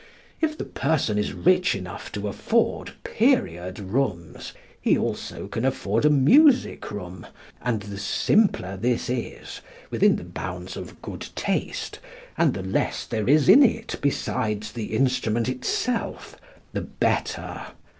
If the person is rich enough to afford "period" rooms, he also can afford a music room, and the simpler this is, within the bounds of good taste, and the less there is in it besides the instrument itself, the better.